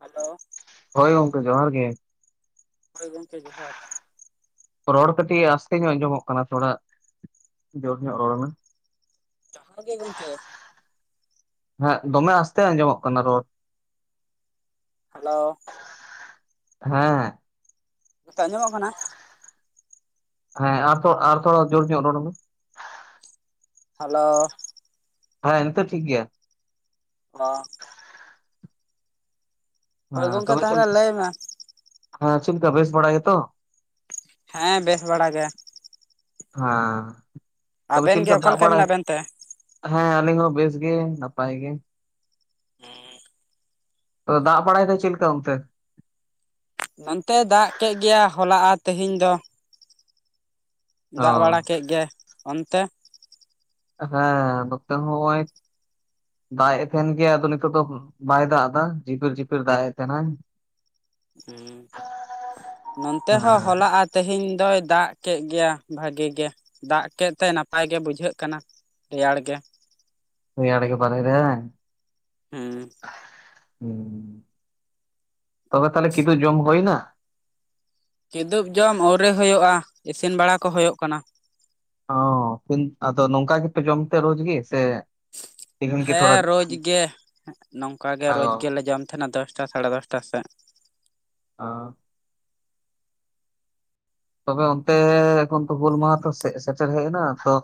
Hello ᱦᱳᱭ ᱜᱚᱝᱠᱮ ᱡᱚᱦᱟᱨ ᱜᱮ᱾ ᱦᱳᱭ ᱜᱚᱢᱠᱮ ᱡᱚᱦᱟᱨ᱾ ᱨᱚᱲ ᱠᱟᱹᱴᱤᱡᱽ ᱟᱥᱛᱮ ᱧᱚᱜ ᱟᱸᱡᱚᱢᱚᱜ ᱠᱟᱱᱟ ᱛᱷᱚᱲᱟ ᱡᱳᱨ ᱧᱚᱜ ᱨᱚᱲ ᱢᱮ ᱡᱟᱦᱟᱨ ᱜᱮ ᱜᱚᱝᱠᱮ ᱦᱮᱸ ᱫᱚᱢᱮ ᱟᱥᱛᱮ ᱟᱸᱡᱚᱢᱚᱜ ᱠᱟᱱᱟ ᱨᱚᱲ ᱦᱮᱞᱳ ᱦᱮᱸ ᱱᱤᱛᱚᱜ ᱟᱸᱡᱚᱢᱚᱜ ᱠᱟᱱᱟ ᱦᱮᱸ ᱟᱨ ᱛᱷᱚᱲᱟ ᱟᱨ ᱛᱷᱚᱲᱟ ᱡᱳᱨ ᱧᱚᱜ ᱨᱚᱲ ᱢᱮ ᱦᱮᱞᱳ ᱦᱮᱸ ᱱᱤᱛᱚᱜ ᱴᱷᱤᱠ ᱜᱮᱭᱟ ᱦᱚ ᱦᱳᱭ ᱦᱮᱸ ᱜᱚᱢᱠᱮ ᱛᱚᱵᱮ ᱪᱮᱫ ᱛᱟᱦᱚᱞᱮ ᱞᱟᱹᱭ ᱢᱮ ᱦᱮᱸ ᱪᱮᱫ ᱞᱮᱠᱟ ᱵᱮᱥ ᱵᱟᱲᱟ ᱜᱮᱛᱚ? ᱦᱮᱸ ᱵᱮᱥ ᱵᱟᱲᱟ ᱜᱮ ᱾ ᱦᱟᱸ ᱛᱚᱵᱮ ᱟᱵᱮᱱ ᱪᱮᱫ ᱜᱮ ᱞᱮᱠᱟ ᱚᱠᱟ ᱫᱟᱜᱽ ᱵᱟᱲᱟᱭ ᱢᱮᱱᱟᱜ ᱫᱟ? ᱵᱮᱱ ᱛᱮ ᱦᱮᱸ ᱟᱹᱞᱤᱧ ᱦᱚᱸ ᱵᱮᱥ ᱜᱮ ᱱᱟᱯᱟᱭ ᱜᱮ ᱾ ᱛᱚ ᱫᱟᱜᱽ ᱵᱟᱲᱟᱭ ᱫᱟᱭ ᱪᱮᱫ ᱞᱮᱠᱟ ᱚᱱᱛᱮ? ᱱᱚᱱᱛᱮᱭ ᱫᱟᱜᱽ ᱠᱮᱫ ᱜᱮᱭᱟ ᱦᱚᱞᱟ ᱟᱨ ᱛᱮᱦᱮᱧ ᱫᱚ ᱚ ᱫᱟᱜᱽ ᱵᱟᱲᱟ ᱠᱮᱫ ᱜᱮᱭᱟᱭ ᱚᱱᱛᱮ? ᱦᱮᱸ ᱱᱚᱛᱮ ᱦᱚ ᱱᱚᱜᱼᱚᱭ ᱫᱟᱜᱽ ᱮᱫ ᱛᱟᱦᱮᱱ ᱜᱮᱭᱟ ᱟᱫᱚ ᱱᱤᱛᱚᱜ ᱫᱚ ᱵᱟᱭ ᱫᱟᱜᱽ ᱮᱫᱟ ᱡᱷᱤᱯᱤᱨ ᱡᱷᱤᱯᱤᱨ ᱫᱟᱜᱽ ᱮᱫ ᱛᱟᱦᱮᱸᱱᱟᱭ ᱱᱚᱱᱛᱮ ᱦᱮᱸ ᱦᱚᱸ ᱦᱚᱞᱟ ᱟ ᱛᱮᱦᱮᱧ ᱫᱚᱭ ᱫᱟᱜᱽ ᱠᱮᱫ ᱜᱮᱭᱟ ᱵᱷᱟᱜᱤ ᱜᱮ ᱫᱟᱜᱽ ᱠᱮᱫ ᱛᱮ ᱱᱟᱯᱟᱭ ᱜᱮ ᱵᱩᱡᱷᱟᱹᱜ ᱠᱟᱱᱟ ᱨᱮᱭᱟᱲ ᱜᱮ ᱨᱮᱭᱟᱲ ᱜᱮ ᱵᱟᱦᱨᱮ ᱨᱮ ᱦᱮᱸ ᱛᱚᱵᱮ ᱛᱟᱦᱞᱮ ᱠᱤᱫᱩᱵ ᱡᱚᱢ ᱦᱩᱭᱮᱱᱟ ᱠᱤᱫᱩᱵ ᱡᱚᱢ ᱟᱹᱣᱨᱤ ᱦᱩᱭᱩᱜᱼᱟ ᱤᱥᱤᱱ ᱵᱟᱲᱟ ᱠᱚ ᱦᱩᱭᱩᱜ ᱠᱟᱱᱟ᱾ ᱚ ᱟᱫᱚ ᱱᱚᱝᱠᱟ ᱜᱮᱯᱮ ᱡᱚᱢ ᱛᱮ ᱨᱳᱡᱽ ᱜᱮ ᱥᱮ ᱛᱤᱦᱤᱧ ᱜᱮ ᱛᱷᱚᱲᱟ ᱦᱮᱸ ᱨᱳᱡᱽ ᱜᱮ ᱱᱚᱝᱠᱟ ᱜᱮ ᱚ ᱨᱳᱡᱽ ᱜᱮᱞᱮ ᱡᱚᱢ ᱛᱟᱦᱮᱸᱱᱟ ᱫᱚᱥᱴᱟ ᱥᱟᱲᱮ ᱫᱚᱥᱴᱟ ᱥᱮᱫ ᱚ ᱛᱚᱵᱮ ᱚᱱᱛᱮ ᱮᱠᱷᱚᱱ ᱦᱩᱞ ᱢᱟᱦᱟᱸ ᱛᱚ ᱥᱮᱴᱮᱨ ᱦᱮᱡᱽ ᱮᱱᱟ ᱛᱚ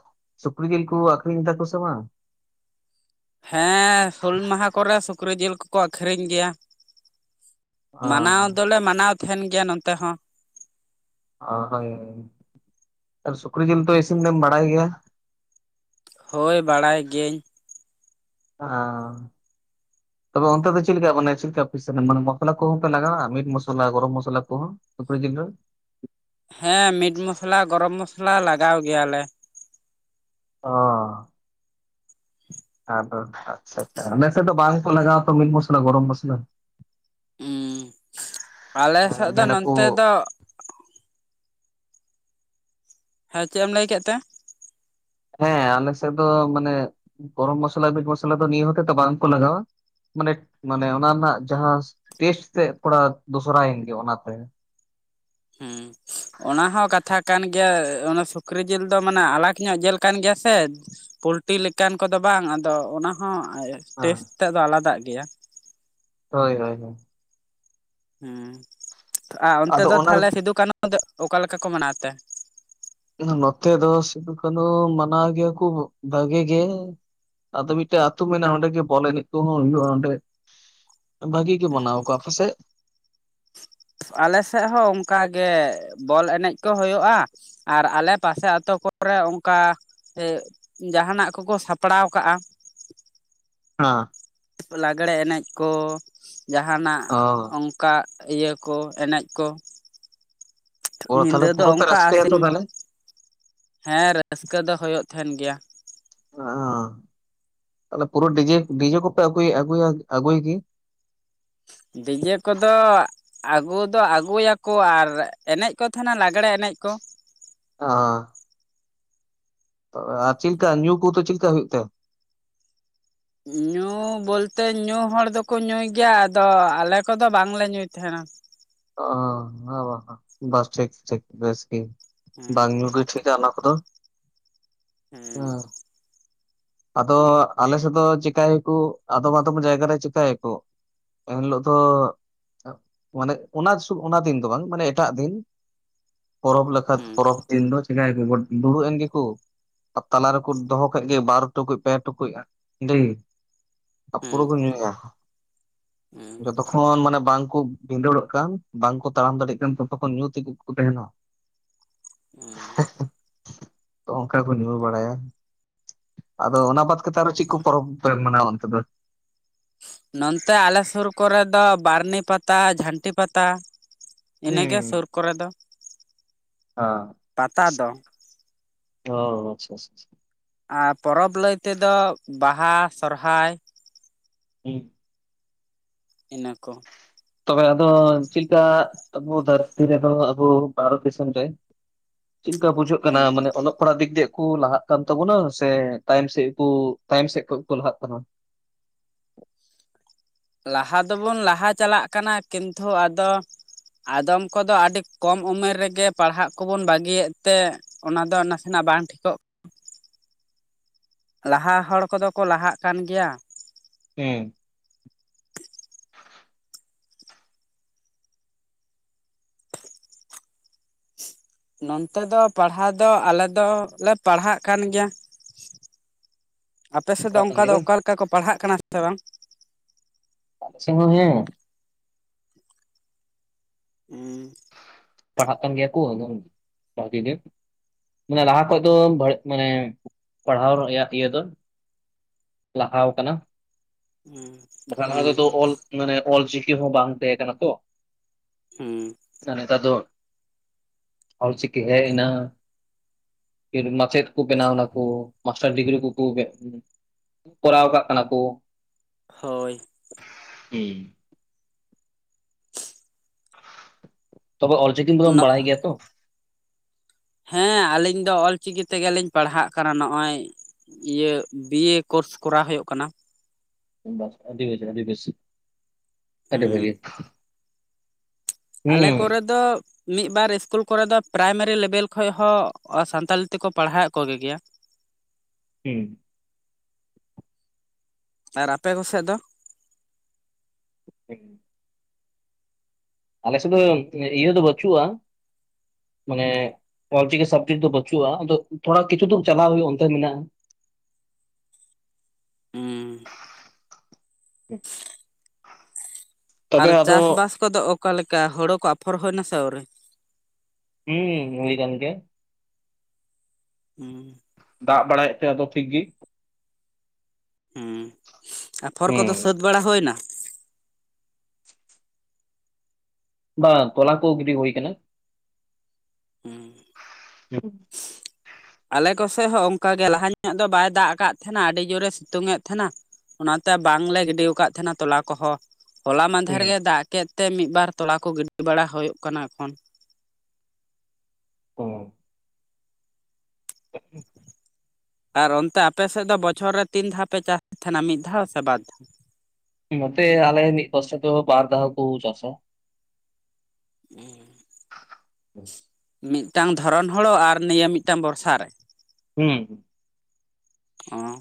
ᱥᱩᱠᱨᱤ ᱡᱤᱞ ᱠᱚ ᱟᱹᱠᱷᱨᱤᱧ ᱫᱟᱠᱚ ᱥᱮ ᱵᱟᱝ? ᱦᱮᱸ ᱦᱩᱞ ᱢᱟᱦᱟᱸ ᱠᱚᱨᱮ ᱥᱩᱠᱨᱤ ᱡᱤᱞ ᱠᱚᱠᱚ ᱟᱹᱠᱷᱨᱤᱧ ᱜᱮᱭᱟ ᱚ ᱢᱟᱱᱟᱣ ᱫᱚᱞᱮ ᱢᱟᱱᱟᱣ ᱛᱟᱦᱮᱸᱱ ᱜᱮᱭᱟ ᱱᱚᱛᱮ ᱦᱚᱸ ᱚ ᱦᱳᱭ ᱥᱩᱠᱨᱤ ᱡᱤᱞ ᱫᱚ ᱤᱥᱤᱱ ᱫᱚᱢ ᱵᱟᱲᱟᱭ ᱜᱮᱭᱟ ᱦᱳᱭ ᱵᱟᱲᱟᱭ ᱜᱤᱭᱟᱹᱧ ᱚ ᱛᱚᱵᱮ ᱚᱱᱛᱮ ᱫᱚ ᱪᱮᱫ ᱞᱮᱠᱟ ᱢᱟᱱᱮ ᱪᱮᱫ ᱞᱮᱠᱟ ᱯᱮ ᱤᱥᱤᱱᱟ ᱢᱚᱥᱞᱟ ᱠᱚᱦᱚᱸ ᱦᱚ ᱯᱮ ᱞᱟᱜᱟᱣᱟ ᱢᱤᱴ ᱢᱚᱥᱞᱟ ᱜᱚᱨᱚᱢ ᱢᱚᱥᱞᱟ ᱠᱚ ᱦᱚᱸ ᱥᱩᱠᱨᱤ ᱡᱤᱞ ᱨᱮ ᱦᱮᱸ ᱢᱤᱴ ᱢᱚᱥᱞᱟ ᱜᱚᱨᱚᱢ ᱢᱚᱥᱞᱟ ᱞᱟᱜᱟᱣ ᱜᱮᱭᱟᱞᱮ ᱚ ᱟᱫᱚ ᱟᱪᱪᱷᱟ ᱟᱪᱪᱷᱟ ᱟᱞᱮᱥᱮᱫ ᱫᱚ ᱵᱟᱝᱠᱚ ᱞᱟᱜᱟᱣ ᱟᱛᱚ ᱢᱤᱴ ᱢᱚᱥᱞᱟ ᱜᱚᱨᱚᱢ ᱢᱚᱥᱞᱟ ᱟᱞᱮ ᱦᱮᱸ ᱥᱮᱫ ᱫᱚ ᱢᱮᱱᱟᱠᱚ ᱱᱚᱱᱛᱮ ᱫᱚ ᱦᱮᱸ ᱪᱮᱫ ᱮᱢ ᱞᱟᱹᱭ ᱠᱮᱫ ᱛᱮ ᱦᱮᱸ ᱟᱞᱮ ᱥᱮᱫ ᱫᱚ ᱢᱟᱱᱮ ᱜᱚᱨᱚᱢ ᱢᱚᱥᱞᱟ ᱢᱤᱴ ᱢᱚᱥᱞᱟ ᱫᱚ ᱱᱤᱭᱟᱹ ᱦᱚᱛᱮ ᱛᱮ ᱵᱟᱝᱠᱚ ᱞᱟᱜᱟᱣᱟ ᱢᱟᱱᱮ ᱢᱟᱱᱮ ᱚᱱᱟ ᱨᱮᱱᱟᱜ ᱡᱟᱦᱟᱸ ᱴᱮᱥᱴ ᱛᱮ ᱛᱷᱚᱲᱟ ᱫᱚᱥᱨᱟᱭᱮᱱ ᱜᱮ ᱚᱱᱟᱛᱮ ᱦᱩᱸ [unintelligible] ᱚᱱᱟ ᱦᱚᱸ ᱠᱟᱛᱷᱟ ᱠᱟᱱ ᱜᱮᱭᱟ ᱚᱱᱟ ᱥᱩᱠᱨᱤ ᱡᱮᱞ ᱫᱚ ᱢᱟᱱᱮ ᱟᱞᱟᱠ ᱧᱚᱜ ᱡᱮᱞ ᱠᱟᱱ ᱜᱮᱭᱟ ᱥᱮ ᱯᱚᱞᱴᱤ ᱞᱮᱠᱟᱱ ᱠᱚᱫᱚ ᱵᱟᱝ ᱟᱫᱚ ᱚᱱᱟ ᱦᱚᱸ ᱴᱮᱥᱴ ᱛᱮᱫ ᱫᱚ ᱟᱞᱟᱫᱟᱜ ᱜᱮᱭᱟ ᱦᱚᱭ ᱦᱚᱭ ᱦᱚᱭ ᱦᱮᱸ ᱟᱨ ᱚᱱᱛᱮ ᱟᱫᱚ ᱫᱚ ᱚᱱᱟ ᱛᱟᱦᱚᱞᱮ ᱥᱤᱫᱩ ᱠᱟᱹᱱᱩ ᱫᱚ ᱚᱠᱟ ᱞᱮᱠᱟ ᱠᱚ ᱢᱮᱱᱟᱣ ᱛᱮ ᱱᱚᱛᱮ ᱫᱚ ᱥᱤᱫᱩ ᱠᱟᱹᱱᱩ ᱢᱟᱱᱟᱣ ᱜᱮᱭᱟ ᱠᱚ ᱵᱷᱟᱜᱮ ᱜᱮ ᱟᱫᱚ ᱢᱤᱫᱴᱮᱡ ᱟᱹᱛᱳ ᱢᱮᱱᱟᱜᱼᱟ ᱚᱸᱰᱮᱜᱮ ᱵᱚᱞ ᱮᱱᱮᱡ ᱠᱚᱦᱚᱸ ᱦᱩᱭᱩᱜᱼᱟ ᱚᱸᱰᱮ᱾ ᱵᱷᱟᱹᱜᱤ ᱜᱮ ᱢᱟᱱᱟᱣ, ᱟᱠᱚ ᱟᱯᱮ ᱥᱮᱫ? ᱟᱞᱮ ᱥᱮᱫ ᱦᱚᱸ ᱚᱱᱠᱟᱜᱮ ᱵᱚᱞ ᱮᱱᱮᱡ ᱠᱚ ᱦᱩᱭᱩᱜᱼᱟ ᱟᱨ ᱟᱞᱮ ᱯᱟᱥᱮ ᱟᱹᱛᱳ ᱠᱚᱨᱮ ᱚᱱᱠᱟ ᱥᱮ ᱡᱟᱦᱟᱱᱟᱜ ᱠᱚᱠᱚ ᱥᱟᱯᱲᱟᱣ ᱠᱟᱜᱼᱟ᱾ [unintelligible] ᱞᱟᱹᱜᱽᱲᱮ ᱮᱱᱮᱡ ᱠᱚ ᱡᱟᱦᱟᱱᱟᱜ ᱚᱱᱠᱟ ᱤᱭᱟᱹ ᱠᱚ ᱮᱱᱮᱡ ᱠᱚ᱾ ᱚ ᱛᱟᱦᱚᱞᱮ ᱧᱤᱫᱟᱹ ᱫᱚ ᱯᱩᱨᱟᱹ ᱯᱮ ᱚᱱᱠᱟ ᱨᱟᱹᱥᱠᱟᱹᱭᱟ ᱛᱚ ᱟᱥᱤᱱ ᱛᱟᱦᱚᱞᱮ ᱦᱮᱸ ᱨᱟᱹᱥᱠᱟᱹ ᱫᱚ ᱦᱩᱭᱩᱜ ᱛᱟᱦᱮᱱ ᱜᱮᱭᱟ᱾ ᱚ, ᱛᱟᱦᱚᱞᱮ ᱯᱩᱨᱟᱹ ᱰᱤᱡᱮ ᱰᱤᱡᱮ ᱠᱚᱯᱮ ᱟᱜᱩᱭᱟ ᱟᱜᱩᱭᱟ ᱜᱮ᱾ ᱰᱤᱡᱮ ᱠᱚᱫᱚ ᱟᱹᱜᱩ ᱫᱚ ᱟᱹᱜᱩᱭᱟᱠᱚ ᱟᱨ ᱮᱱᱮᱡ ᱠᱚ ᱛᱟᱦᱮᱱᱟ ᱞᱟᱹᱜᱽᱲᱮ ᱮᱱᱮᱡ ᱠᱚ ᱚ ᱟᱨ ᱪᱮᱫ‌ ᱞᱮᱠᱟ ᱧᱩ ᱠᱚᱛᱚ ᱪᱮᱫ ᱞᱮᱠᱟ ᱦᱩᱭᱩᱜ ᱛᱟᱦᱮᱸ? [unintelligible] ᱵᱚᱞᱛᱮ ᱧᱩ ᱦᱚᱲ ᱫᱚᱠᱚ ᱧᱩᱭ ᱜᱮᱭᱟ ᱟᱫᱚ ᱟᱞᱮ ᱠᱚᱫᱚ ᱵᱟᱝᱞᱮ ᱧᱩᱭ ᱛᱟᱦᱮᱱᱟ᱾ ᱚ ᱵᱟᱥ ᱴᱷᱤᱠ ᱴᱷᱤᱠ ᱵᱮᱥ ᱜᱮ᱾ ᱦᱩᱸ ᱵᱟᱝ ᱧᱩ ᱜᱮ ᱴᱷᱤᱠ ᱟ ᱚᱱᱟ ᱠᱚᱫᱚ᱾ ᱦᱮᱸ ᱟᱫᱚ ᱟᱞᱮᱥᱮᱫ ᱫᱚ ᱪᱤᱠᱟᱭᱟᱠᱚ ᱟᱫᱚᱢ ᱟᱫᱚᱢ ᱡᱟᱭᱜᱟ ᱨᱮ ᱪᱤᱠᱟᱹᱭᱟᱠᱚ ᱮᱱ ᱦᱤᱞᱚᱜ ᱫᱚ ᱢᱟᱱᱮ ᱚᱱᱟ ᱚᱱᱟ ᱫᱤᱱ ᱫᱚ ᱵᱟᱝ ᱢᱟᱱᱮ ᱮᱴᱟᱜ ᱫᱤᱱ ᱯᱚᱨᱚᱵᱽ ᱞᱮᱠᱟ ᱷᱟᱛ ᱦᱩᱸ ᱯᱚᱨᱚᱵᱽ ᱫᱤᱱ ᱫᱚ ᱪᱤᱠᱟᱭᱠᱚ ᱫᱩᱲᱩᱵ ᱮᱱ ᱜᱮᱠᱚ ᱟᱨ ᱛᱟᱞᱟ ᱨᱮᱠᱚ ᱫᱚᱦᱚ ᱠᱮᱫ ᱜᱮ ᱵᱟᱨ ᱴᱩᱠᱩᱡ ᱯᱮ ᱴᱩᱠᱩᱡᱼᱟ ᱦᱟᱺᱰᱤ ᱯᱩᱨᱟᱹ ᱦᱩᱸ ᱠᱚ ᱧᱩᱭᱟ ᱦᱩᱸ ᱡᱚᱛᱚ ᱠᱷᱚᱱ ᱢᱟᱱᱮ ᱵᱟᱝᱠᱚ ᱵᱷᱤᱸᱰᱟᱹᱲᱚᱜ ᱠᱟᱱ ᱵᱟᱝᱠᱚ ᱛᱟᱲᱟᱢ ᱫᱟᱲᱮᱭᱟᱜ ᱠᱟᱱ ᱛᱚᱛᱚ ᱠᱷᱚᱱ ᱧᱩ ᱛᱮᱜᱮ ᱠᱚᱠᱚ ᱛᱟᱦᱮᱱᱟ᱾ ᱦᱩᱸ [unintelligible] ᱚᱱᱠᱟ ᱠᱚ ᱧᱩ ᱵᱟᱲᱟᱭᱟ᱾ ᱟᱫᱚ ᱚᱱᱟ ᱵᱟᱫᱽ ᱠᱟᱛᱮᱫ ᱟᱨᱦᱚᱸ ᱪᱮᱫ ᱠᱚ ᱯᱚᱨᱚᱵᱽ ᱯᱮ ᱢᱟᱱᱟᱣᱟ ᱚᱱᱛᱮ ᱫᱚ? ᱱᱚᱱᱛᱮ ᱟᱞᱮ ᱥᱩᱨ ᱠᱚᱨᱮ ᱫᱚ ᱵᱟᱹᱨᱱᱤ ᱯᱟᱛᱟ ᱡᱷᱟᱹᱱᱴᱤ ᱯᱟᱛᱟ᱾ ᱦᱩᱸ ᱤᱱᱟᱹᱜᱮ ᱦᱮᱸ ᱥᱩᱨ ᱠᱚᱨᱮ ᱫᱚ᱾ ᱚ, ᱯᱟᱛᱟ ᱫᱚ ᱚ ᱟᱪᱪᱷᱟ ᱟᱪᱪᱷᱟ ᱟᱨ ᱯᱚᱨᱚᱵᱽ ᱞᱟᱹᱭ ᱛᱮᱫᱚ ᱵᱟᱦᱟ ᱥᱚᱨᱦᱟᱭ᱾ [unintelligible] ᱤᱱᱟᱹ ᱠᱚ ᱛᱚᱵᱮ ᱟᱫᱚ ᱪᱮᱫ ᱞᱮᱠᱟ ᱟᱵᱚ ᱫᱷᱟᱹᱨᱛᱤ ᱨᱮᱫᱚ ᱟᱵᱚ ᱵᱷᱟᱨᱚᱛ ᱫᱤᱥᱚᱢ ᱨᱮ ᱪᱮᱫ ᱞᱮᱠᱟ ᱵᱩᱡᱷᱟᱹᱜ ᱠᱟᱱᱟ ᱦᱮᱸ ᱢᱟᱱᱮ ᱚᱞᱚᱜ ᱯᱟᱲᱦᱟᱜ ᱫᱤᱠ ᱫᱤᱭᱮ ᱠᱚ ᱞᱟᱦᱟᱜ ᱠᱟᱱᱟ ᱠᱟᱱ ᱛᱟᱵᱚᱱᱟ᱾ ᱥᱮ ᱛᱟᱭᱚᱢ ᱥᱮᱫ ᱠᱚ ᱛᱟᱭᱚᱢ ᱥᱮᱫ ᱠᱷ ᱠᱚ ᱞᱟᱦᱟᱜ ᱠᱟᱱᱟ᱾ ᱞᱟᱦᱟ ᱫᱚᱵᱚᱱ ᱞᱟᱦᱟ ᱪᱟᱞᱟᱜ ᱠᱟᱱᱟ᱾ ᱠᱤᱱᱛᱩ ᱟᱫᱚ ᱟᱫᱚᱢ ᱠᱚᱫᱚ ᱟᱹᱰᱤ ᱠᱚᱢ ᱩᱢᱮᱨ ᱨᱮᱜᱮ ᱯᱟᱲᱦᱟᱜ ᱠᱚᱵᱚᱱ ᱵᱟᱹᱜᱤᱭᱮᱫ ᱛᱮ ᱚᱱᱟᱫᱚ ᱱᱟᱥᱮᱱᱟᱜ ᱵᱟᱝ ᱴᱷᱤᱠᱚᱜ [inaudible] ᱞᱟᱦᱟᱜ ᱦᱚᱲ ᱠᱚᱫᱚ ᱠᱚ ᱞᱟᱦᱟᱜ ᱠᱟᱱ ᱜᱮᱭᱟ᱾ ᱦᱮ [inaudible] ᱱᱚᱱᱛᱮ ᱫᱚ ᱯᱟᱲᱦᱟᱣ ᱫᱚ ᱟᱞᱮ ᱫᱚᱞᱮ ᱯᱟᱲᱦᱟᱜ ᱠᱟᱱ ᱜᱮᱭᱟ᱾ ᱟᱯᱮ ᱥᱮᱫ ᱫᱚ ᱯᱟᱲᱦᱟᱜ ᱠᱟᱱ ᱚᱱᱠᱟ ᱜᱮᱭᱟ ᱫᱚ ᱵᱟᱝ? ᱚᱠᱟᱞᱮᱠᱟ ᱠᱚ ᱯᱟᱲᱦᱟᱜ ᱠᱟᱱᱟ ᱥᱮ ᱵᱟᱝ? ᱟᱞᱮ ᱥᱮᱫ ᱦᱚ ᱦᱮᱸ ᱦᱩᱢ ᱯᱟᱲᱦᱟᱜ ᱠᱟᱱ ᱜᱮᱭᱟ ᱠᱚ ᱟᱫᱚ ᱵᱷᱟᱜᱤ ᱜᱮ᱾ ᱢᱟᱱᱮ ᱞᱟᱦᱟ ᱠᱷᱚᱡ ᱫᱚ ᱢᱟᱱᱮ ᱯᱟᱲᱦᱟᱣ ᱨᱮᱭᱟᱜ ᱤᱭᱟᱹ ᱫᱚ ᱞᱟᱦᱟᱣ ᱟᱠᱟᱱᱟ᱾ ᱦᱩᱸ ᱦᱮ ᱚᱞ ᱢᱟᱱᱮ ᱚᱞ ᱪᱤᱠᱤ ᱦᱚᱸ ᱵᱟᱝ ᱛᱟᱦᱮᱸ ᱠᱟᱱᱟ ᱛᱚ ᱦᱚᱸ ᱟᱨ ᱱᱮᱛᱟᱨ ᱫᱚ ᱚᱞ ᱪᱤᱠᱤ ᱦᱮᱜ ᱮᱱᱟ ᱢᱟᱪᱮᱫ ᱠᱚ ᱵᱮᱱᱟᱣ ᱚᱱᱟᱠᱚ, ᱢᱟᱥᱴᱟᱨ ᱰᱤᱜᱽᱨᱤ ᱠᱚᱠᱚ ᱠᱚᱨᱟᱣ ᱠᱟᱜ ᱠᱟᱱᱟ ᱠᱚ᱾ ᱦᱳᱭ ᱦᱚᱸ ᱛᱚᱵᱮ ᱚᱞ ᱪᱤᱠᱤ ᱠᱚᱫᱚᱢ ᱵᱟᱲᱟᱭ ᱜᱮᱭᱟ ᱛᱚ ᱦᱮᱸ ᱟᱞᱤᱧ ᱫᱚ ᱚᱞ ᱪᱤᱠᱤ ᱛᱮᱜᱮ ᱞᱤᱧ ᱯᱟᱲᱦᱟᱜ ᱠᱟᱱᱟ ᱱᱚᱜ ᱚᱭ ᱤᱭᱟᱹ ᱵᱤᱭᱮ ᱠᱳᱨᱥ ᱠᱚᱨᱟᱣ ᱦᱩᱭᱩᱜ ᱠᱟᱱᱟ ᱵᱟ ᱟᱹᱰᱤ ᱵᱮᱥ ᱪᱮᱨᱦᱟ ᱟᱹᱰᱤ ᱵᱮᱥ ᱟᱹᱰᱤ ᱵᱷᱟᱜᱤ ᱦᱮᱸ ᱟᱞᱮ ᱠᱚᱨᱮ ᱫᱚ ᱢᱤᱫ ᱵᱟᱨ ᱤᱥᱠᱩᱞ ᱠᱚᱨᱮᱫᱚ ᱯᱨᱟᱭᱢᱟᱨᱤ ᱞᱮᱵᱮᱞ ᱠᱷᱚᱡ ᱦᱚᱸ ᱥᱟᱱᱛᱟᱞᱤ ᱛᱮᱠᱚ ᱯᱟᱲᱦᱟᱣᱮᱫ ᱠᱚᱜᱮ ᱜᱮᱭᱟ᱾ ᱦᱩᱸ ᱟᱨ ᱟᱯᱮ ᱠᱚᱥᱮᱫ ᱫᱚ ᱦᱮᱸ [unintelligible] ᱟᱞᱮ ᱥᱮᱫ ᱫᱚ ᱤᱭᱟᱹ ᱫᱚ ᱵᱟᱹᱪᱩᱜᱼᱟ ᱢᱟᱱᱮ ᱚᱞ ᱪᱤᱠᱤ ᱥᱟᱵᱡᱮᱠᱴ ᱫᱚ ᱵᱟᱹᱪᱩᱜᱼᱟ ᱟᱫᱚ ᱛᱷᱚᱲᱟ ᱠᱤᱪᱷᱩ ᱫᱩᱨ ᱪᱟᱞᱟᱣ ᱦᱩᱭᱩᱜ ᱚᱱᱛᱮ ᱢᱮᱱᱟᱜᱼᱟ ᱦᱚᱸ ᱛᱚᱵᱮ ᱟᱨ ᱟᱫᱚ ᱪᱟᱥᱵᱟᱥ ᱠᱚᱫᱚ ᱚᱠᱟ ᱞᱮᱠᱟ ᱦᱳᱲᱳ ᱠᱚ ᱟᱯᱷᱚᱨ ᱦᱩᱭ ᱱᱟᱥᱮ ᱟᱳᱨᱤ ᱦᱩᱸ ᱦᱩᱭ ᱠᱟᱱ ᱜᱤᱭᱟ ᱦᱩᱸ ᱫᱟᱜ ᱵᱟᱲᱟᱭᱮᱫ ᱛᱮ ᱟᱫᱚ ᱴᱷᱤᱠ ᱜᱮ᱾ ᱟᱯᱷᱚᱨ ᱦᱩᱸ ᱠᱚᱫᱚ ᱥᱟᱹᱛ ᱵᱟᱲᱟ ᱦᱩᱭᱱᱟ᱾ ᱵᱟᱝ ᱛᱚᱞᱟ ᱠᱚ ᱜᱤᱰᱤ ᱦᱩᱭ ᱠᱟᱱᱟ᱾ ᱦᱩ ᱦᱮᱸ [inaudible] ᱟᱞᱮ ᱠᱚᱥᱮᱫ ᱦᱚᱸ ᱚᱱᱠᱟᱟᱜ ᱜᱮ ᱞᱟᱦᱟ ᱧᱚᱜ ᱫᱚ ᱵᱟᱭ ᱫᱟᱜ ᱟᱠᱟᱫ ᱛᱟᱦᱮᱱᱟ ᱟᱹᱰᱤ ᱡᱳᱨᱮ ᱥᱤᱛᱩᱝ ᱮᱫ ᱛᱟᱦᱮᱱᱟ᱾ ᱚᱱᱟᱛᱮ ᱵᱟᱝᱞᱮ ᱜᱤᱰᱤ ᱟᱠᱟᱫ ᱛᱟᱦᱮᱸᱱᱟ ᱛᱚᱞᱟ ᱠᱚᱦᱚᱸ ᱦᱚᱞᱟ ᱦᱩᱸ ᱢᱫᱷᱮᱨᱜᱮ ᱫᱟᱜ ᱠᱮᱫ ᱛᱮ ᱢᱤᱫᱵᱟᱨ ᱛᱳᱞᱟᱠᱚ ᱜᱤᱰᱤ ᱵᱟᱲᱟ ᱦᱩᱭᱩᱜ ᱠᱟᱱᱟ ᱮᱠᱷᱚᱱ ᱚ ᱟᱨ ᱚᱱᱛᱮ ᱟᱯᱮᱥᱮᱫ ᱫᱚ ᱵᱚᱪᱷᱚᱨ ᱨᱮ ᱛᱤᱱ ᱫᱷᱟᱣ ᱯᱮ ᱪᱟᱥ ᱛᱟᱦᱮᱱᱟ ᱢᱤᱫ ᱫᱷᱟᱣ ᱥᱮ ᱵᱟᱨ ᱫᱷᱟᱣ ᱱᱚᱛᱮ ᱟᱞᱮ [unintelligible] ᱯᱥᱛ ᱵᱟᱨ ᱫᱟᱦ ᱠᱚ ᱪᱟᱥ ᱦᱚᱢ [unintelligible] ᱢᱤᱫᱴᱟᱝ ᱫᱷᱚᱨᱚᱱ ᱦᱚᱲᱲᱚ ᱟᱨ ᱱᱤᱭᱟᱹ ᱢᱤᱫᱴᱟᱝ ᱵᱷᱚᱨᱥᱟ ᱨᱮ ᱦᱩᱸ ᱚᱸ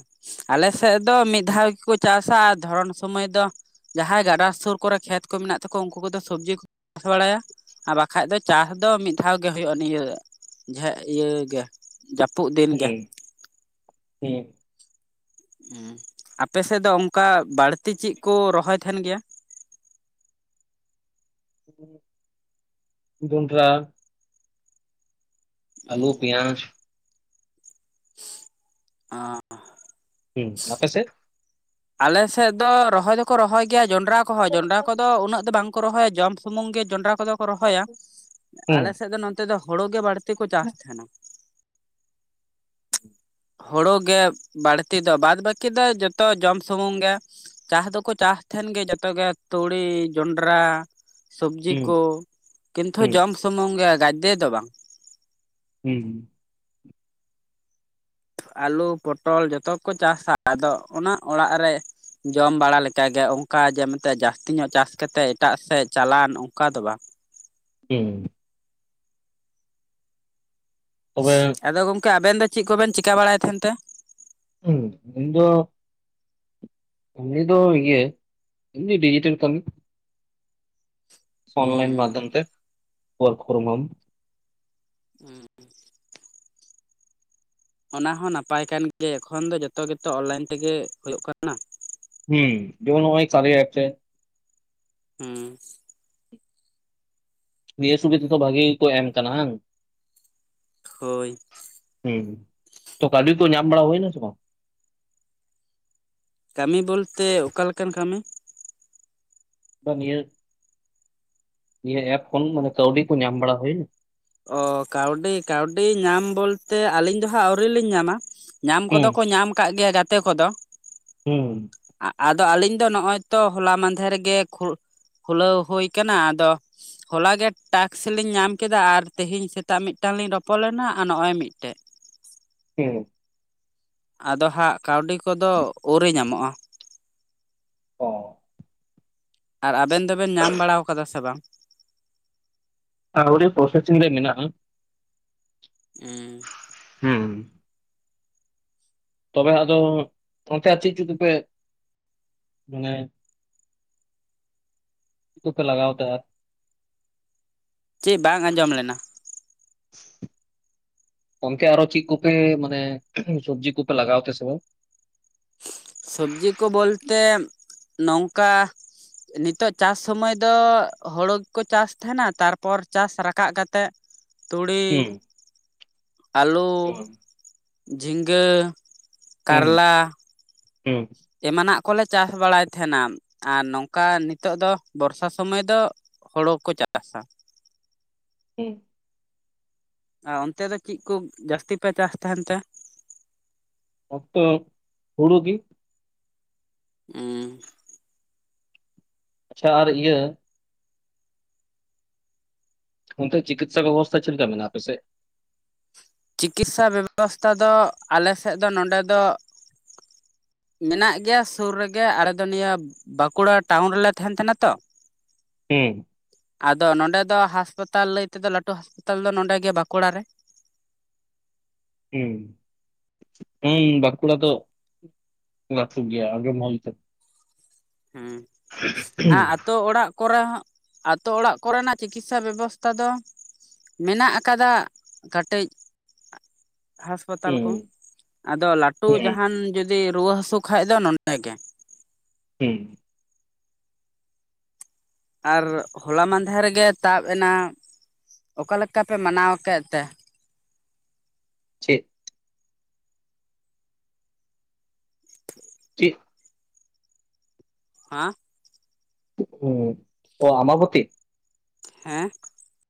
ᱟᱞᱮ ᱥᱮᱫ ᱫᱚ ᱢᱤᱫ ᱫᱷᱟᱣ ᱜᱮᱠᱚ ᱪᱟᱥᱟ ᱟᱨ ᱫᱷᱚᱨᱚᱱ ᱥᱚᱢᱚᱭ ᱫᱚ ᱡᱟᱦᱟᱸᱭ ᱜᱟᱰᱟ ᱥᱩᱨ ᱠᱚᱨᱮ ᱠᱷᱮᱛ ᱠᱚ ᱢᱮᱱᱟᱜ ᱛᱟᱠᱚᱣᱟ ᱩᱱᱠᱩ ᱠᱚᱫᱚ ᱥᱚᱵᱽᱡᱤ ᱠᱚ ᱪᱟᱥ ᱵᱟᱲᱟᱭᱟ ᱟᱨ ᱵᱟᱠᱷᱟᱡ ᱫᱚ ᱪᱟᱥ ᱫᱚ ᱢᱤᱫ ᱫᱷᱟᱣ ᱜᱮ ᱦᱩᱭᱩᱜᱼᱟ ᱱᱤᱭᱟᱹ ᱦᱮᱸ ᱤᱭᱟᱹ ᱜᱮ [inaudible] ᱡᱟᱹᱯᱩᱫ ᱫᱤᱱ ᱜᱮ ᱦᱮᱸ ᱦᱮᱸ ᱟᱯᱮᱥᱮᱫ ᱫᱚ ᱚᱱᱠᱟ ᱵᱟᱹᱲᱛᱤ ᱪᱮᱫ ᱠᱚ ᱨᱚᱦᱚᱭ ᱛᱟᱦᱮᱱ ᱜᱮᱭᱟ᱾ ᱡᱚᱱᱰᱨᱟ ᱟᱞᱩ ᱯᱤᱭᱟᱡ ᱟᱸ ᱦᱮᱸ ᱟᱯᱮ ᱥᱮ ᱟᱞᱮᱥᱮᱫ ᱫᱚ ᱨᱚᱦᱚᱭ ᱫᱚᱠᱚ ᱨᱚᱦᱚᱭ ᱜᱮᱭᱟ ᱡᱚᱱᱰᱨᱟ ᱠᱚᱦᱚᱸ ᱡᱚᱱᱰᱨᱟ ᱠᱚᱫᱚ ᱫᱚ ᱩᱱᱟᱹᱜ ᱫᱚ ᱵᱟᱝ ᱠᱚ ᱨᱚᱦᱚᱭᱟ ᱡᱚᱢ ᱥᱩᱢᱩᱝ ᱜᱮ ᱡᱚᱱᱰᱨᱟ ᱠᱚᱫᱚ ᱠᱚ ᱨᱚᱦᱚᱭᱟ ᱟᱞᱮᱥᱮᱫ ᱫᱚ ᱛᱮᱫ ᱫᱚ ᱦᱳᱲᱳ ᱜᱮ ᱵᱟᱹᱲᱛᱤ ᱠᱚ ᱪᱟᱥ ᱛᱟᱦᱮᱱᱟ᱾ [unintelligible] ᱦᱩᱲᱩ ᱜᱮ ᱵᱟᱹᱲᱛᱤ ᱫᱚ ᱵᱟᱫ ᱵᱟᱹᱠᱤ ᱫᱚ ᱡᱚᱛᱚ ᱡᱚᱢ ᱥᱩᱢᱩᱝ ᱜᱮ ᱪᱟᱥ ᱫᱚᱠᱚ ᱪᱟᱥ ᱛᱟᱦᱮᱱ ᱜᱮ ᱡᱚᱛᱚ ᱜᱮ ᱛᱩᱲᱤ ᱡᱚᱱᱰᱨᱟ ᱥᱚᱵᱽᱡᱤ ᱠᱚ, ᱠᱤᱱᱛᱩ ᱡᱚᱢ ᱥᱩᱢᱩᱝ ᱜᱮ ᱜᱟᱡᱮ ᱫᱚ ᱵᱟᱝ ᱦᱩᱸ ᱦᱩᱸ ᱟᱹᱞᱩ ᱯᱚᱴᱚᱞ ᱡᱚᱛᱚ ᱠᱚ ᱪᱟᱥᱟ ᱟᱫᱚ ᱚᱱᱟ ᱚᱲᱟᱜ ᱨᱮ ᱡᱚᱢ ᱵᱟᱲᱟ ᱞᱮᱠᱟᱜᱮ ᱚᱱᱠᱟ ᱡᱮ ᱢᱮᱱᱛᱮᱫ ᱡᱟᱹᱥᱛᱤ ᱧᱚᱜ ᱪᱟᱥ ᱠᱟᱛᱮᱫ ᱮᱴᱟᱜ ᱥᱮᱫ ᱪᱟᱞᱣᱟᱱ ᱚᱱᱠᱟ ᱫᱚ ᱵᱟᱝ ᱦᱩᱸ ᱛᱚᱵᱮ ᱟᱫᱚ ᱜᱚᱢᱠᱮ ᱟᱵᱮᱱ ᱫᱚ ᱪᱮᱫ ᱠᱚᱵᱮᱱ ᱪᱤᱠᱟᱹ ᱵᱟᱲᱟᱭ ᱛᱟᱦᱮᱱ ᱛᱮ ᱦᱩᱸ ᱤᱧ ᱫᱚ [inaudible] ᱫᱚ ᱰᱤᱡᱤᱴᱮᱞ ᱠᱟᱹᱢᱤ ᱚᱱᱞᱟᱭᱤᱱ ᱢᱟᱫᱷᱚᱢ ᱛᱮ [unintelligible] ᱦᱩᱸ ᱚᱱᱟ ᱦᱚᱸ ᱱᱟᱯᱟᱭ ᱠᱟᱱ ᱜᱮᱭᱟ ᱮᱠᱷᱚᱱ ᱫᱚ ᱡᱚᱛᱚ ᱜᱮᱛᱚ ᱚᱱᱞᱟᱭᱤᱱ ᱛᱮᱜᱮ ᱦᱩᱭᱩᱜᱳᱜ ᱠᱟᱱᱟ ᱦᱩᱸ ᱡᱮᱢᱚᱱ ᱚᱭ ᱠᱟᱨᱭᱟ ᱮᱯ ᱨᱮ ᱦᱮᱸ ᱱᱤᱭᱟᱹ ᱥᱩᱵᱤᱫᱷᱟ ᱛᱮᱫᱚ ᱵᱷᱟᱜᱤ ᱜᱮ ᱠᱚ ᱮᱢ ᱠᱟᱱᱟ ᱦᱟᱸ ᱦᱳᱭ ᱦᱩᱸ ᱛᱚ ᱠᱟᱹᱣᱰᱤ ᱠᱚ ᱧᱟᱢ ᱵᱟᱲᱟ ᱦᱚᱭ ᱥᱮ ᱵᱟᱝ ᱠᱟᱹᱢᱤ ᱵᱚᱞᱛᱮ ᱚᱠᱟᱞᱮᱠᱟᱱ ᱠᱟᱹᱢᱤ ᱵᱟᱹᱱᱤᱭᱟᱹ ᱱᱤᱭᱟᱹ ᱮᱯ ᱠᱷᱚᱱ ᱢᱟᱱᱮ ᱠᱟᱹᱣᱰᱤ ᱠᱚ ᱧᱟᱢ ᱵᱟᱲᱟᱭ ᱦᱩᱭ ᱱᱟ᱾ ᱚ ᱠᱟᱹᱣᱰᱤ ᱠᱟᱹᱣᱰᱤ ᱧᱟᱢ ᱵᱚᱞᱛᱮ ᱟᱹᱞᱤᱧ ᱫᱚᱦᱟᱸᱜ ᱟᱹᱣᱨᱤ ᱞᱤᱧ ᱧᱟᱢᱟ᱾ ᱧᱟᱢ ᱠᱚᱫᱚ ᱠᱚ ᱧᱟᱢ ᱠᱫ ᱜᱮᱭᱟ ᱜᱟᱛᱮ ᱠᱚᱫᱚ᱾ ᱦᱩᱸ ᱟᱫᱚ ᱟᱹᱞᱤᱧ ᱫᱚ ᱱᱚᱜᱼᱚᱭ ᱛᱚ ᱦᱚᱞᱟ ᱢᱟᱦᱫᱷᱮᱨ ᱨᱮᱜᱮ ᱠᱷᱩᱞᱟᱹᱣ ᱦᱩᱭ ᱟᱠᱟᱱᱟ ᱟᱫᱚ ᱦᱚᱞᱟᱜᱮ ᱴᱟᱠᱥ ᱞᱤᱧ ᱧᱟᱢᱠᱟ ᱟᱨ ᱛᱮᱦᱮᱧ ᱥᱮᱛᱟᱜ ᱢᱤᱫᱴᱟᱝ ᱞᱤᱧ ᱨᱚᱯᱚᱲ ᱞᱮᱱᱟ ᱟᱨ ᱱᱚᱜ ᱚᱭ ᱢᱤᱫᱴᱮᱱ ᱦᱩᱸ ᱟᱫᱚ ᱦᱟᱸᱜ ᱠᱟᱹᱣᱰᱤ ᱠᱚᱫᱚ ᱩᱨᱤ ᱧᱟᱢᱚᱜᱼᱟ᱾ ᱚᱸ ᱟᱨ ᱟᱵᱮᱱ ᱫᱚᱵᱮᱱ ᱧᱟᱢ ᱵᱟᱲᱟ ᱟᱠᱟᱫᱟ ᱥᱮ ᱵᱟᱝ? ᱟᱹᱣᱨᱤ ᱯᱨᱳᱚᱥᱥᱤᱝ ᱨᱮ ᱢᱮᱱᱟᱜᱼᱟ᱾ ᱦᱮᱸ ᱦᱩᱸ ᱛᱚᱵᱮ ᱟᱫᱚ ᱚᱱᱛᱮ ᱟᱨ ᱪᱮᱫ ᱪᱚ ᱫᱚᱯᱮ ᱢᱟᱱᱮ ᱠᱚᱯᱮ ᱞᱟᱜᱟᱣ ᱛᱟᱦᱮᱫ ᱪᱮᱫ ᱵᱟᱝ ᱟᱸᱡᱚᱢ ᱞᱮᱱᱟ? [inaudible] ᱜᱚᱢᱠᱮ ᱟᱨᱚ ᱪᱮᱫ ᱠᱚᱯᱮ ᱢᱟᱱᱮ ᱥᱚᱵᱽᱡᱤ ᱠᱚᱯᱮ ᱞᱟᱜᱟᱣ ᱛᱟᱦᱮ ᱥᱮ ᱵᱟᱝ? ᱥᱚᱵᱽᱡᱤ ᱠᱚ ᱵᱚᱞᱛᱮ ᱱᱚᱝᱠᱟ ᱱᱤᱛᱚᱜ ᱪᱟᱥ ᱥᱩᱢᱟᱹᱭ ᱫᱚ ᱦᱳᱲᱩ ᱜᱮᱠᱚ ᱪᱟᱥ ᱛᱟᱦᱮᱱᱟ ᱛᱟᱨᱯᱚᱨ ᱪᱟᱥ ᱨᱟᱠᱟᱜ ᱠᱟᱛᱮᱜ ᱛᱩᱲᱤ, ᱦᱩᱸ ᱟᱹᱞᱩ, ᱦᱩᱸ ᱡᱷᱤᱸᱜᱟᱹ, ᱩᱸ ᱠᱟᱨᱞᱟ ᱦᱩᱸ ᱮᱢᱟᱱᱟᱜ ᱠᱚᱞᱮ ᱪᱟᱥ ᱵᱟᱲᱟᱭ ᱛᱟᱦᱮᱱᱟ᱾ ᱟᱨ ᱱᱚᱝᱠᱟ ᱱᱤᱛᱚᱜ ᱫᱚ ᱵᱚᱨᱥᱟ ᱥᱩᱢᱟᱹᱭ ᱫᱚ ᱦᱩᱲᱩ ᱠᱚ ᱪᱟᱥᱟ᱾ ᱦᱮᱸ ᱟᱨ ᱚᱱᱛᱮ ᱫᱚ ᱪᱮᱫ ᱠᱚ ᱡᱟᱹᱥᱛᱤ ᱯᱮ ᱪᱟᱥ ᱛᱟᱦᱮᱱ ᱛᱮ? ᱚᱠᱛᱚ ᱦᱩᱲᱩ ᱜᱤ᱾ ᱩᱢᱸ᱾ ᱟᱪᱪᱷᱟ ᱟᱨ ᱤᱭᱟᱹ ᱚᱱᱛᱮ ᱪᱤᱠᱤᱛᱥᱟ ᱵᱮᱵᱚᱥᱛᱷᱟ ᱪᱮᱫᱠᱟ ᱢᱮᱱᱟᱜ-ᱟ ᱟᱯᱮ ᱥᱮᱫ? ᱪᱤᱠᱤᱛᱥᱟ ᱵᱮᱵᱚᱥᱛᱷᱟ ᱫᱚ ᱟᱞᱮᱥᱮᱫ ᱫᱚ ᱱᱚᱸᱰᱮ ᱫᱚ ᱢᱮᱱᱟᱜ ᱜᱮᱭᱟ ᱥᱩᱨ ᱨᱮᱜᱮ ᱟᱞᱮᱚ ᱱᱤᱭᱟᱹ ᱵᱟᱸᱠᱩᱲᱟ ᱴᱟᱣᱩᱱ ᱨᱮᱞᱮ ᱛᱟᱦᱮᱱ ᱛᱟᱦᱮᱱᱟ ᱛᱚ, ᱦᱩᱸ᱾ ᱟᱫᱚ ᱱᱚᱸᱰᱮ ᱫᱚ ᱦᱟᱸᱥᱯᱟᱛᱟᱞ ᱞᱟᱹᱭ ᱛᱮᱫᱚ ᱞᱟᱹᱴᱩ ᱦᱟᱥᱯᱟᱛᱟᱞ ᱫᱚ ᱱᱚᱸᱰᱮ ᱜᱮ ᱵᱟᱸᱠᱩᱲᱟ ᱨᱮ᱾ ᱦᱩᱸ ᱦᱩᱸᱢ ᱵᱟᱸᱠᱩᱲᱟ ᱫᱚ ᱞᱟᱹᱴᱷᱩ ᱜᱮᱭᱟ ᱟᱸᱜᱚᱢ ᱦᱩᱭ ᱦᱩᱸ ᱟᱨ ᱟᱹᱛᱳ ᱚᱲᱟᱜ ᱠᱚᱨᱮ ᱦᱚᱸ ᱟᱹᱛᱳ ᱚᱲᱟᱜ ᱠᱚᱨᱮᱱᱟᱜ ᱪᱤᱠᱤᱛᱥᱟ ᱵᱮᱵᱚᱥᱛᱷᱟ ᱫᱚ ᱢᱮᱱᱟᱜ ᱟᱠᱟᱫᱟ ᱠᱟᱹᱴᱤᱡ ᱦᱟᱸᱟᱥᱯᱟᱛᱟᱞ ᱦᱩᱸ ᱠᱚ, ᱟᱫᱚ ᱞᱟᱹᱴᱩ ᱦᱩᱸ ᱡᱟᱦᱟᱱ ᱡᱩᱫᱤ ᱨᱩᱣᱟᱹ ᱦᱟᱹᱥᱩ ᱠᱷᱟᱡ ᱫᱚ ᱱᱚᱰᱮ ᱜᱮ᱾ ᱦᱩᱸ ᱟᱨ ᱦᱚᱞᱟ ᱢᱟᱦᱫᱮᱨ ᱨᱮᱜᱮ ᱛᱟᱵ ᱮᱱᱟ ᱚᱠᱟ ᱞᱮᱠᱟ ᱯᱮ ᱢᱟᱱᱟᱣ ᱠᱮᱫ ᱛᱮ? ᱪᱮᱫ? ᱪᱮᱫ? ᱦᱟᱸ ᱚ ᱟᱢᱵᱟᱵᱚᱛᱤ᱾ ᱦᱮᱸ᱾